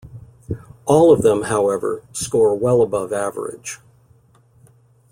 All of them, however, score well above average.